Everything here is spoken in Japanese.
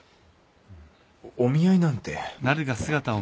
お見合いなんて。